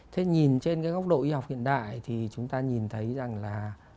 thế nhìn trên cái góc độ y học hiện đại thì chúng ta nhìn thấy rằng là